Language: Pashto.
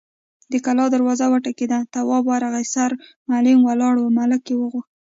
د کلا دروازه وټکېده، تواب ورغی، سرمعلم ولاړ و، ملک يې غوښت.